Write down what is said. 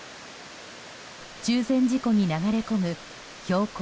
中禅寺湖に流れ込む標高